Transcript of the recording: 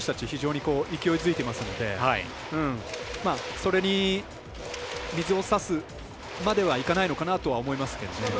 非常に勢いづいてますのでそれに水をさすまではいかないのかなとは思いますけれどね。